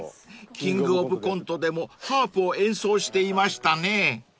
［キングオブコントでもハープを演奏していましたね］